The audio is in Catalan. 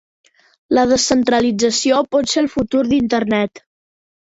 La descentralització pot ser el futur d'internet.